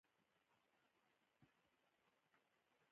جګړه د ژوند پر ضد یو پاڅون دی